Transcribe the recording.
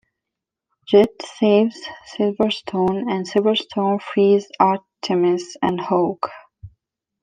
Jett saves Silverstone and Silverstone frees Artemis and Hawk.